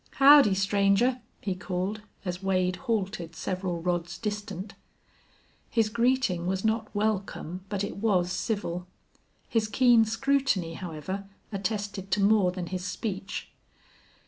"Howdy, stranger!" he called, as Wade halted several rods distant. His greeting was not welcome, but it was civil. His keen scrutiny, however, attested to more than his speech.